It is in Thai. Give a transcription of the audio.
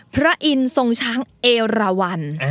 พระอินทร์ทรงช้างเอราวัน